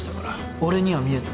俺には見えた。